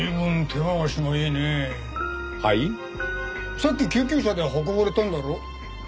さっき救急車で運ばれたんだろ。